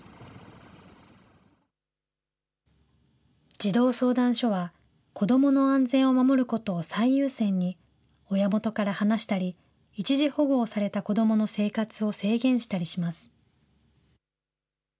自動相談所は、子どもの安全を守ることを最優先に、親元から離したり、一時保護をされた子どもの生活を制限したりします。